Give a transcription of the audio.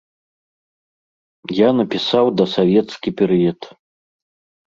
Я напісаў дасавецкі перыяд.